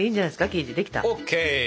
生地できた。ＯＫ。